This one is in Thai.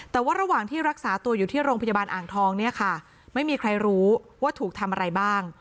แต่ว่าระหว่างที่รักษาตัวอยู่ที่โรงพยาบาลอ่างทองเนี่ยค่ะไม่มีใครรู้ว่าถูกทำอะไรบ้าง